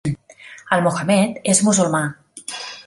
El Mohammed és musulmà.